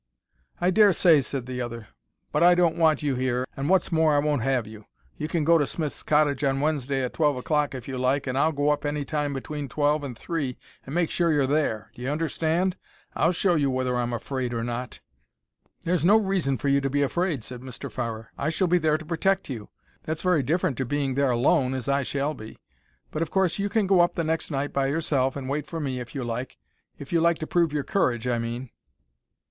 "I dare say," said the other; "but I don't want you here, and, what's more, I won't have you. You can go to Smith's cottage on Wednesday at twelve o'clock if you like, and I'll go up any time between twelve and three and make sure you're there. D'ye understand? I'll show you whether I'm afraid or not." "There's no reason for you to be afraid," said Mr. Farrer. "I shall be there to protect you. That's very different to being there alone, as I shall be. But, of course, you can go up the next night by yourself, and wait for me, if you like. If you like to prove your courage, I mean."